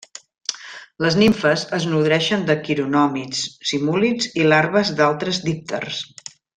Les nimfes es nodreixen de quironòmids, simúlids i larves d'altres dípters.